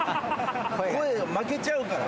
声負けちゃうから。